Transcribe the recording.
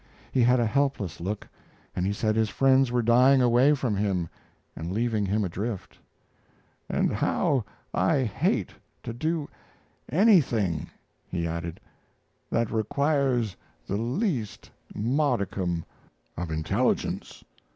He had a helpless look, and he said his friends were dying away from him and leaving him adrift. "And how I hate to do anything," he added, "that requires the least modicum of intelligence!"